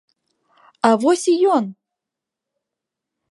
А вось і ён!